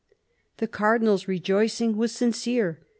..." The Cardinal's rejoicing was sincere.